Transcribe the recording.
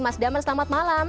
mas damar selamat malam